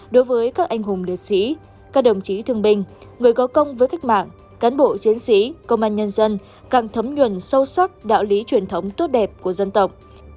đối với các anh hùng liệt sĩ các đồng chí thương binh người có công với cách mạng cán bộ chiến sĩ công an nhân dân càng thấm nhuần sâu sắc đạo lý truyền thống tốt đẹp của dân tộc